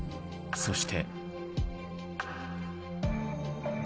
そして。